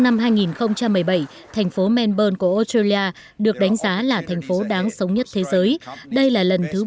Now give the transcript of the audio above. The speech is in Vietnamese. năm hai nghìn một mươi bảy thành phố melbourne của australia được đánh giá là thành phố đáng sống nhất thế giới đây là cean